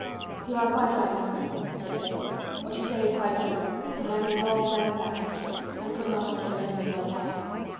"You are quite right, Miss Melville," said he; "what you say is quite true. I am involved and embarrassed, and could not offer you anything worth having."